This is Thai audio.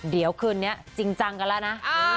เดี๋ยวคืนนี้จริงจังกันแล้วนะ